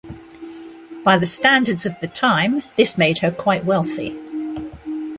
By the standards of the time, this made her quite wealthy.